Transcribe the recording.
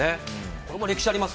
これも歴史があります。